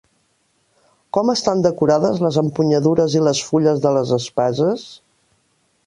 Com estan decorades les empunyadures i les fulles de les espases?